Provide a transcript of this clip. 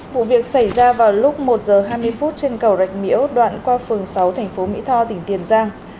vụ việc xảy ra vào lúc một giờ hai mươi phút trên cầu rạch miễu đoạn qua phường sáu thành phố mỹ tho tỉnh tiền giang